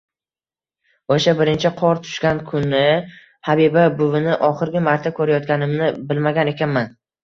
...O‘sha birinchi qor tushgan kuni Habiba buvini oxirgi marta ko‘rayotganimni bilmagan ekanman.